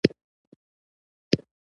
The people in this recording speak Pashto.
تر کره کتنې لاندې اثر: طبقاتي شعور او پښتو